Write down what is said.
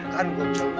kan gua beli